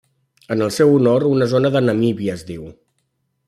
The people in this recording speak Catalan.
En el seu honor una zona de Namíbia es diu.